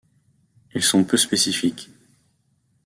Ils sont peu spécifiques.